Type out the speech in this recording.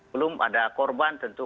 belum ada korban tentu